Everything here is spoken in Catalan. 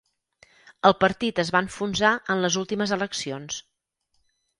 El partit es va enfonsar en les últimes eleccions